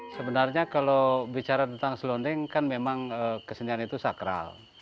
sebenarnya kalau bicara tentang selonding kan memang kesenian itu sakral